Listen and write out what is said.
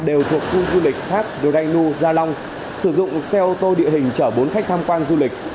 đều thuộc khu du lịch thác đô rai nu gia long sử dụng xe ô tô địa hình chở bốn khách tham quan du lịch